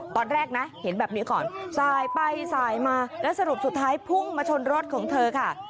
ตอนแรกนะเห็นแบบนี้ก่อนสายไปสายมาแล้วสรุปสุดท้ายพุ่งมาชนรถของเธอค่ะ